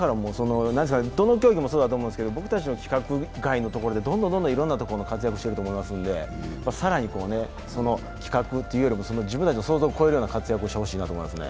どの競技もそうだと思いますけど、僕たちの規格外のところでどんどんいろんなところの活躍していると思いますので更に自分たちの想像を超える活躍してほしいと思いますね。